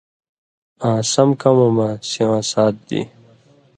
آں سمکمؤں مہ سِواں ساتھ دی۔